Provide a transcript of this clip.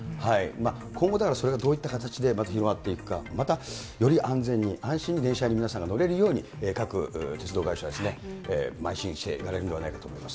今後、だからそれがどういった形でまた広がっていくか、またより安全に、安心に電車に皆さんが乗れるように、各鉄道会社ですね、まい進していただくんではないかと思います。